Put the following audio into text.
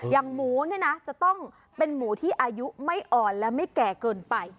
อย่างหมูเนี่ยนะจะต้องเป็นหมูที่อายุไม่อ่อนและไม่แก่เกินไป